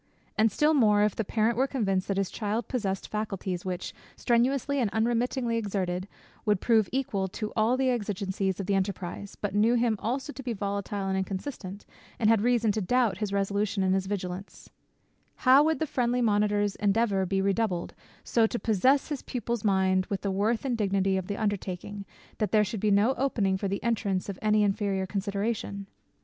And still more, if the parent were convinced that his child possessed faculties which, strenuously and unremittingly exerted, would prove equal to all the exigences of the enterprize, but knew him also to be volatile and inconstant, and had reason to doubt his resolution and his vigilance; how would the friendly monitor's endeavour be redoubled, so to possess his pupil's mind with the worth and dignity of the undertaking, that there should be no opening for the entrance of any inferior consideration!